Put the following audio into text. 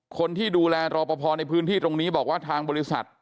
คนที่ดูแลรอปภในพื้นที่ตรงนี้บอกว่าทางบริษัท